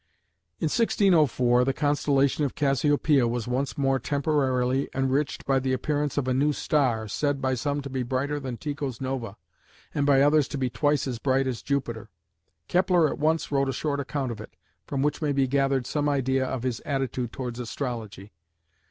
In 1604 the constellation of Cassiopeia was once more temporarily enriched by the appearance of a new star, said by some to be brighter than Tycho's nova, and by others to be twice as bright as Jupiter. Kepler at once wrote a short account of it, from which may be gathered some idea of his attitude towards astrology.